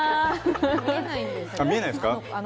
見えないですか？